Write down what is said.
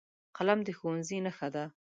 قلم د ښوونځي نښه ده